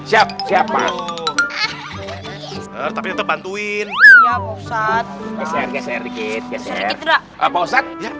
ya siapa tapi bantuin